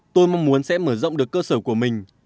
tôi mong muốn sẽ mở rộng được cơ sở của mình